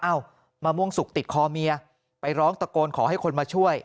มะม่วงสุกติดคอเมียไปร้องตะโกนขอให้คนมาช่วย